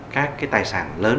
các cái tài sản lớn